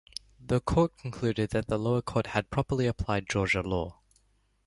The Court concluded that the lower court had properly applied Georgia law.